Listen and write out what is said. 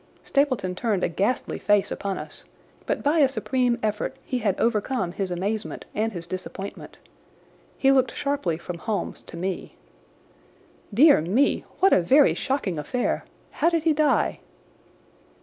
Stapleton turned a ghastly face upon us, but by a supreme effort he had overcome his amazement and his disappointment. He looked sharply from Holmes to me. "Dear me! What a very shocking affair! How did he die?"